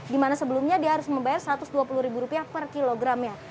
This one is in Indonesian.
di mana sebelumnya dia harus membayar rp satu ratus dua puluh ribu rupiah per kilogramnya